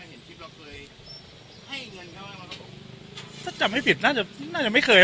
ให้เงินเข้าให้เราก็บอกถ้าจำไม่ผิดน่าจะน่าจะไม่เคย